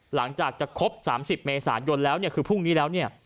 หลังจากจะครบ๓๐เมษายนแล้วเนี่ยคือพรุ่งนี้แล้วเนี่ย